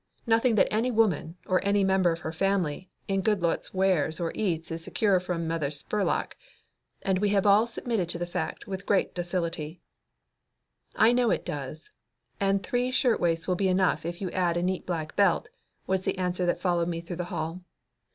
Nothing that any woman or any member of her family in Goodloets wears or eats is secure from Mother Spurlock, and we have all submitted to the fact with the greatest docility. "I know it does; and three shirt waists will be enough if you add a neat black belt," was the answer that followed me through the hall.